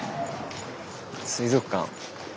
水族館。